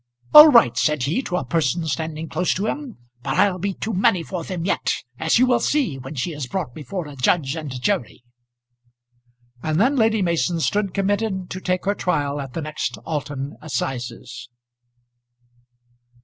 "All right," said he to a person standing close to him. "But I'll be too many for them yet, as you will see when she is brought before a judge and jury." And then Lady Mason stood committed to take her trial at the next Alston assizes.